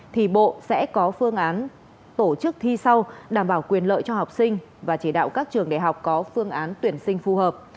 thì bộ sẽ có phương án tổ chức thi sau đảm bảo quyền lợi cho học sinh và chỉ đạo các trường đại học có phương án tuyển sinh phù hợp